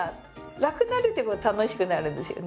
楽になるってことは楽しくなるんですよね。